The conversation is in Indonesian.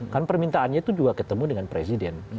kan permintaannya itu juga ketemu dengan presiden